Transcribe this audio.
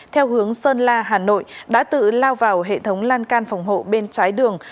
theo hướng sơn la hà nội đã tự lao vào hệ thống lan can phòng hộ bên trái đường